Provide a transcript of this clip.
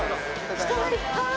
人がいっぱい。